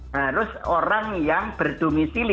harus orang yang berdomisili